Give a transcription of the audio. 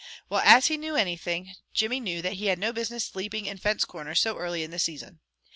Well as he knew anything, Jimmy knew that he had no business sleeping in fence corners so early in the season.